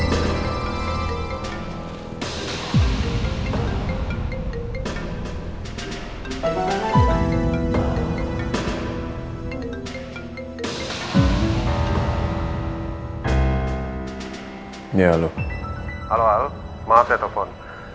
waktu saya telepon